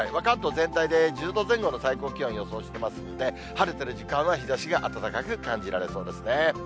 関東全体で１０度前後の最高気温予想してますんで、晴れてる時間は日ざしが暖かく感じられそうですね。